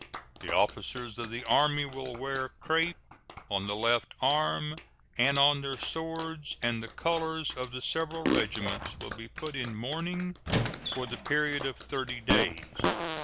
The officers of the Army will wear crape on the left arm and on their swords and the colors of the several regiments will be put in mourning for the period of thirty days.